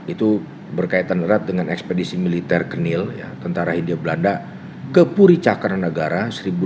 itu berkaitan erat dengan ekspedisi militer kenil ya tentara india belanda ke puricakara negara seribu delapan ratus sembilan puluh empat